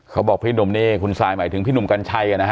เขาบอกพี่หนุ่มนี่คุณซายหมายถึงพี่หนุ่มกัญชัยนะฮะ